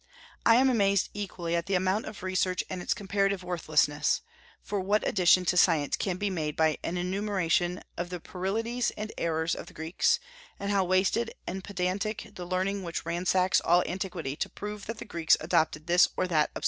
I am amazed equally at the amount of research and its comparative worthlessness; for what addition to science can be made by an enumeration of the puerilities and errors of the Greeks, and how wasted and pedantic the learning which ransacks all antiquity to prove that the Greeks adopted this or that absurdity!